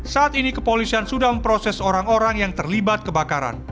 saat ini kepolisian sudah memproses orang orang yang terlibat kebakaran